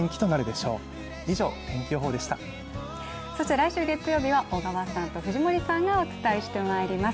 来週月曜日は小川さんと藤森さんがお伝えしてまいります。